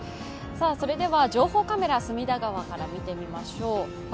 それでは情報カメラ、隅田川から見てみましょう。